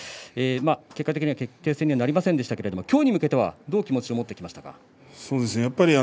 結果的には決定戦になりませんでしたがきょうに向けてはどう気持ちを持っていましたか。